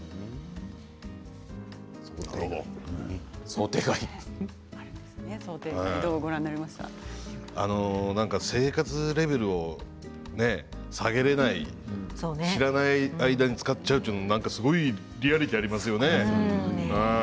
想定外あるんですね、生活レベルを下げられない知らない間に使っちゃうというのは、すごいリアリティーがありますよね。